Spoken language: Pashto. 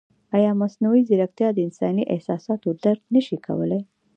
ایا مصنوعي ځیرکتیا د انساني احساساتو درک نه شي کولی؟